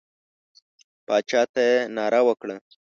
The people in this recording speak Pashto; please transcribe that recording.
باچا ته یې ناره وکړه.